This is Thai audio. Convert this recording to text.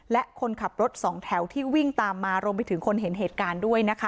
และคนขับรถสองแถวที่วิ่งตามมารวมไปถึงคนเห็นเหตุการณ์ด้วยนะคะ